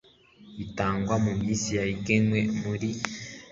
bitangwa mu minsi yagenywe muri